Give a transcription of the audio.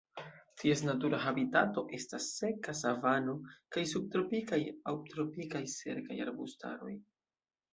Ties natura habitato estas seka savano kaj subtropikaj aŭ tropikaj sekaj arbustaroj.